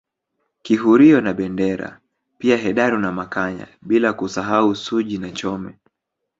Kihurio na Bendera pia Hedaru na Makanya bila kusahau Suji na Chome